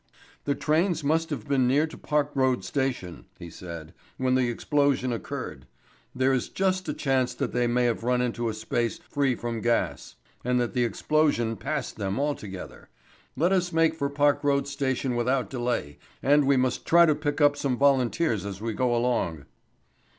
"The trains must have been near to Park Road Station," he said, "when the explosion occurred. There is just a chance that they may have run into a space free from gas, and that the explosion passed them altogether. Let us make for Park Road Station without delay, and we must try to pick up some volunteers as we go along."